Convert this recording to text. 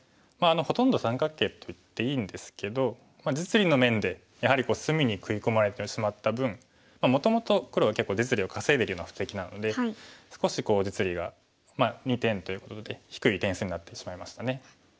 ほとんど三角形といっていいんですけど実利の面でやはり隅に食い込まれてしまった分もともと黒が結構実利を稼いでるような布石なので少し実利が２点ということで低い点数になってしまいましたね。